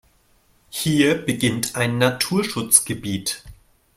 Hier beginnt ein Naturschutzgebiet.